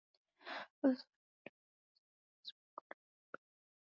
Walker's primary motto in life and most famous quote was "think big".